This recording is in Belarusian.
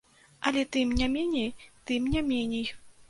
Але тым не меней, тым не меней.